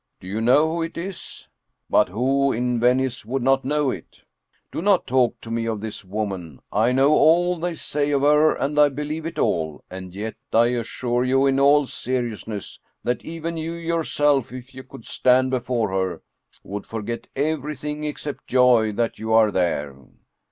Do you know who it is but who in Venice would not know it? Do not talk to me of this woman. I know 65 German Mystery Stories all they say of her and I believe it all, and yet I assure you in all seriousness, that even you yourself, if you could stand before her, would forget everything except joy that you are there."